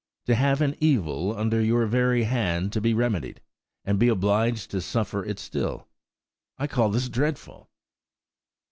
To have an evil under your very hand to be remedied, and be obliged to suffer it still. I call this dreadful!"